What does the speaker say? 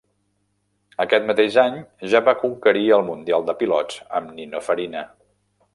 Aquest mateix any ja va conquerir el mundial de pilots amb Nino Farina.